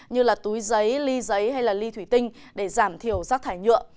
như là túi giấy ly giấy hay ly thủy tinh để giảm thiểu rác thải nhựa